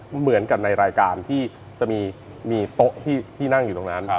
เหมือนกับในรายการที่จะมีโต๊ะที่นั่งอยู่ตรงนั้น